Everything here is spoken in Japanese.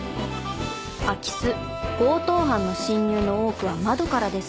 空き巣強盗犯の侵入の多くは窓からです。